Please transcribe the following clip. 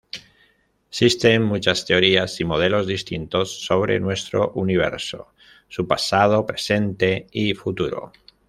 Existen muchas teorías y modelos distintos sobre nuestro universo, su pasado, presente y futuro.